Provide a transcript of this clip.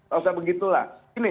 tak usah begitu lah